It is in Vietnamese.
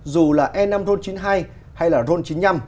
dù là e năm ron chín mươi hai hay là ron chín mươi năm